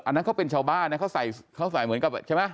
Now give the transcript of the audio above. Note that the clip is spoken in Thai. อันนั้นเขาเป็นชาวบ้านนะเขาใส่เหมือนกับใช่ไหม